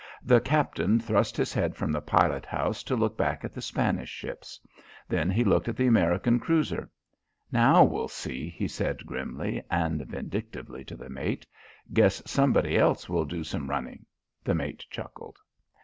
The captain thrust his head from the pilot house to look back at the Spanish ships. Then he looked at the American cruiser. "Now, we'll see," he said grimly and vindictively to the mate. "Guess somebody else will do some running," the mate chuckled.